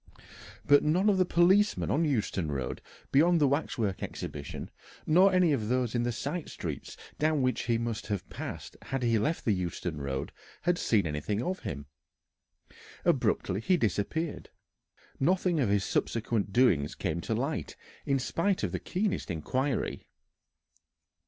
But none of the policemen on Euston Road beyond the Waxwork Exhibition, nor any of those in the side streets down which he must have passed had he left the Euston Road, had seen anything of him. Abruptly he disappeared. Nothing of his subsequent doings came to light in spite of the keenest inquiry.